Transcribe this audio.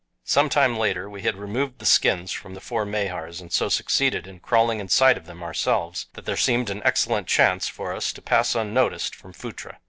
Some time later we had removed the skins from the four Mahars, and so succeeded in crawling inside of them ourselves that there seemed an excellent chance for us to pass unnoticed from Phutra.